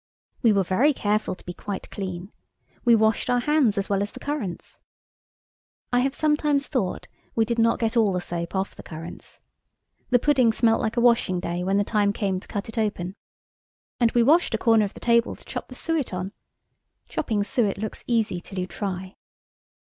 We were very careful to be quite clean. We washed our hands as well as the currants. I have sometimes thought we did not get all the soap off the currants. The pudding smelt like a washing day when the time came to cut it open. And we washed a corner of the table to chop the suet on. Chopping suet looks easy till you try.